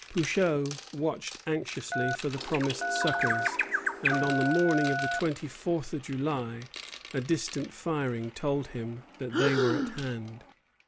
Pouchot watched anxiously for the promised succors; and on the morning of the twenty fourth of July a distant firing told him that they were at hand.